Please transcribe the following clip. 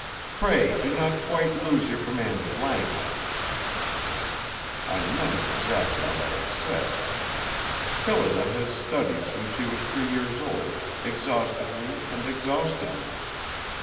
Pray do not quite lose your command of language." I meant exactly what I had said. Phillida has studied since she was three years old, exhaustively and exhaustedly.